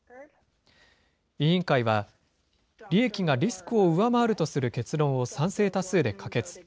委員会は、利益がリスクを上回るとする結論を賛成多数で可決。